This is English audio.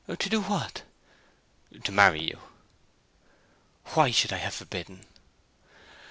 'To do what?' 'To marry you.' 'Why should I have forbidden?'